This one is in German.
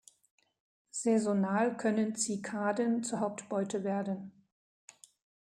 Saisonal können Zikaden zur Hauptbeute werden.